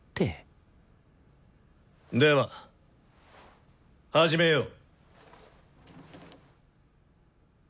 では始めよう。